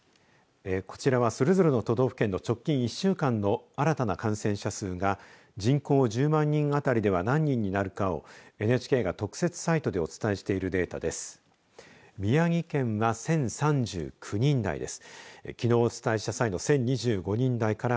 こちらはそれぞれの都道府県の直近１週間の新たな感染者数が人口１０万人当たりでは何人になるかをＮＨＫが特設サイトでお伝えしているデータです。